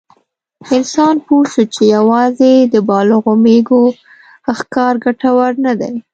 انسان پوه شو چې یواځې د بالغو مېږو ښکار ګټور نه دی.